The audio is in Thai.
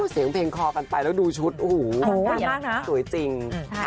เสียงเพลงคอกันไปแล้วดูชุดโอ้โหสวยจริง